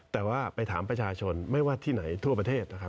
แต่ว่าไปถามประชาชนไม่ว่าที่ไหนทั่วประเทศ